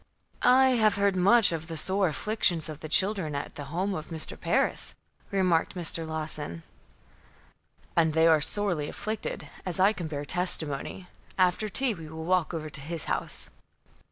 "I have heard much of the sore afflictions of the children at the home of Mr. Parris," remarked Mr. Lawson. "And they are sorely afflicted, as I can bear testimony. After tea we will walk over to his house."